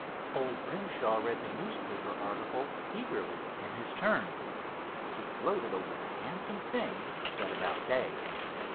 Old Grimshaw read the newspaper article eagerly in his turn. He gloated over the handsome things said about Dave.